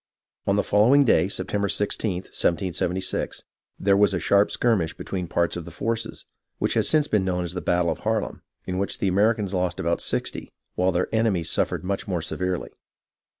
On the following day, September i6th, 1776, there was 126 HISTORY OF THE AMERICAN REVOLUTION a sharp skirmish between parts of the forces, which has since been known as the battle of Harlem, in which the Americans lost about sixty, while their enemies suffered much more severely.